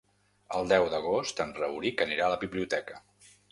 El deu d'agost en Rauric anirà a la biblioteca.